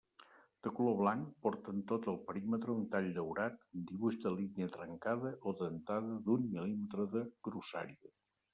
De color blanc, porta en tot el perímetre un tall daurat amb dibuix de línia trencada o dentada d'un mil·límetre de grossària.